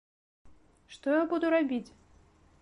Што я буду рабіць?